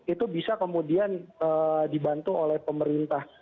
itu bisa kemudian dibantu oleh pemerintah